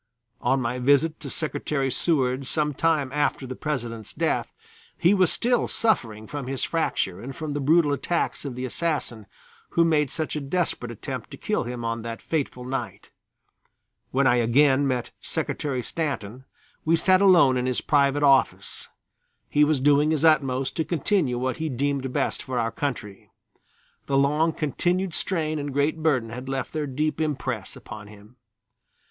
On my visit to Secretary Seward some time after the President's death, he was still suffering from his fracture and from the brutal attacks of the assassin, who made such a desperate attempt to kill him on that fatal night. When I again met Secretary Stanton we sat alone in his private office. He was doing his utmost to continue what he deemed best for our country. The long continued strain and great burden had left their deep impress upon him.